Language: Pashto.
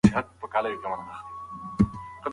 ثمرګل د معلم غني خبرې په پوره غور سره واورېدې.